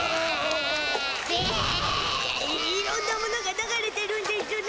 いろんなものが流れてるんでしゅね